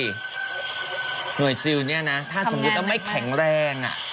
เวลาที่เหนื่อยซิลนี่นะธ่านสมมุติจะไม่แข็งแรงน่ะ